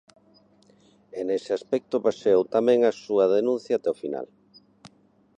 E nese aspecto baseou tamén a súa denuncia até o final.